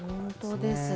本当ですね。